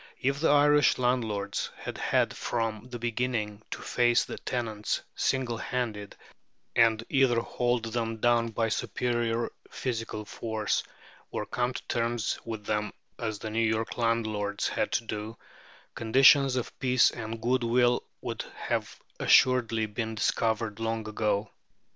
If the Irish landlords had had from the beginning to face the tenants single handed and either hold them down by superior physical force, or come to terms with them as the New York landlords had to do, conditions of peace and good will would have assuredly been discovered long ago.